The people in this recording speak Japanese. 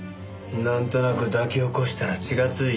なんとなく抱き起こしたら血がついて？